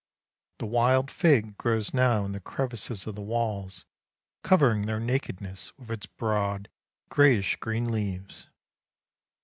The wild fig grows now in the crevices of the walls, covering their nakedness with its broad greyish green leaves.